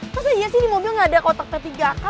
pas aja sih di mobil gak ada kotak kotak tiga k